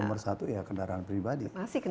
masih kendaraan pribadi